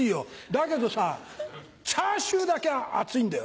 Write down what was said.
だけどさチャーシューだけは厚いんだよ。